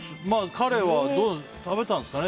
食べたんですかね？